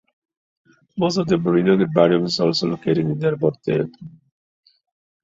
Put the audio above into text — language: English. Most of the Merino herbarium is also located in the arboretum.